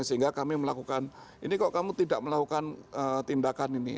sehingga kami melakukan ini kok kamu tidak melakukan tindakan ini